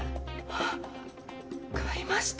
あっ買いました。